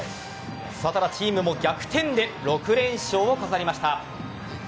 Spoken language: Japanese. ただ、チームも逆転で６連勝を飾りました。